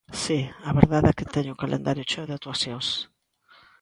Si, a verdade é que teño o calendario cheo de actuacións.